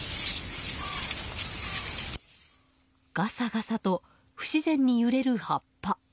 がさがさと不自然に揺れる葉っぱ。